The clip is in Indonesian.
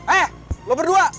eh lo berdua